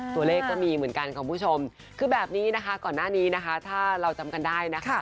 ก็มีเหมือนกันคุณผู้ชมคือแบบนี้นะคะก่อนหน้านี้นะคะถ้าเราจำกันได้นะคะ